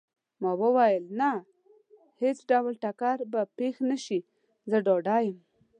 ما وویل: نه، هیڅ ډول ټکر به پېښ نه شي، زه ډاډه یم.